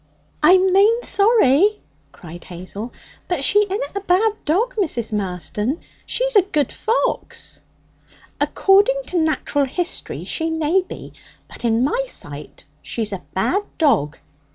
'Eh, I'm main sorry!' cried Hazel. 'But she inna a bad dog, Mrs. Marston; she's a good fox.' 'According to natural history she may be, but in my sight she's a bad dog.'